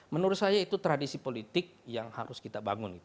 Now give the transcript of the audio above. menurut saya itu tradisi politik yang harus kita bangun